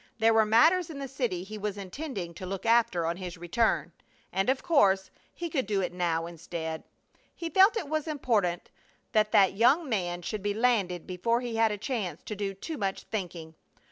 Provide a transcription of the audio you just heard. There were matters in the city he was intending to look after on his return, and of course he could do it now instead. He felt it was important that that young man should be landed before he had a chance to do too much thinking.